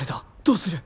どうする？